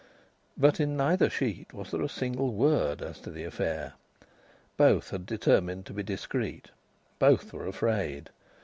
But in neither sheet was there a single word as to the affair. Both had determined to be discreet; both were afraid.